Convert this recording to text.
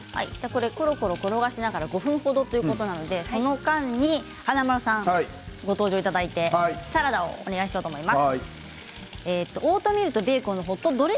コロコロ転がしながら５分程ということなのでその間に華丸さんご登場いただいてサラダをお願いしようと思います。